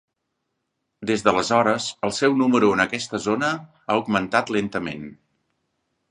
Des d'aleshores, el seu número en aquesta zona ha augmentat lentament.